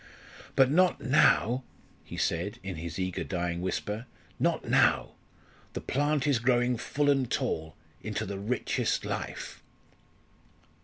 "But not now," he said, in his eager dying whisper; "not now. The plant is growing full and tall, into the richest life."